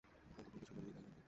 ও তো ভুল কিছু বলেনি, তাই নয় কি?